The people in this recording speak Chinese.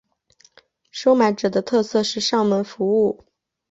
收买者的特色是上门服务。